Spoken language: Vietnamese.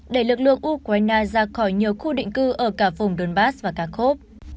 đẩy lực lượng ukraine ra khỏi nhiều khu định cư ở cả vùng đôn bắc và kharkov